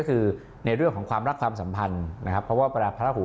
ก็คือในเรื่องของความรักความสัมพันธ์นะครับเพราะว่าเวลาพระราหู